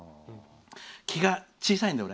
気が小さいんだよ、俺。